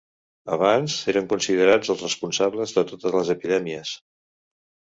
Abans, eren considerats els responsables de totes les epidèmies.